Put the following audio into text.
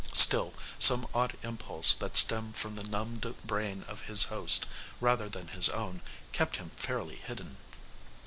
Still, some odd impulse that stemmed from the numbed brain of his host rather than his own, kept him fairly hidden.